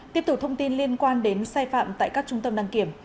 tiếp tục thông tin liên quan đến sai phạm tại các trung tâm đăng kiểm